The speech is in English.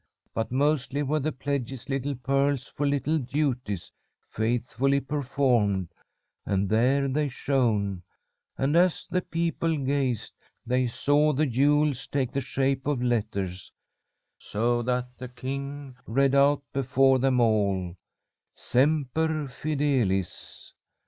But mostly were the pledges little pearls for little duties faithfully performed; and there they shone, and, as the people gazed, they saw the jewels take the shape of letters, so that the king read out before them all, 'Semper fidelis.'